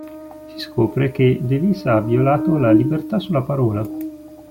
Si scopre che Davis ha violato la libertà sulla parola.